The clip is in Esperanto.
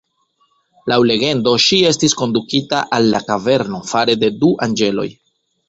Laŭ legendo ŝi estis kondukita al la kaverno fare de du anĝeloj.